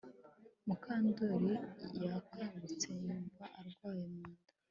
Mukandoli yakangutse yumva arwaye mu nda